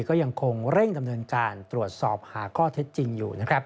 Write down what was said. ก็ยังคงเร่งดำเนินการตรวจสอบหาข้อเท็จจริงอยู่นะครับ